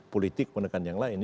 politik menekan yang lain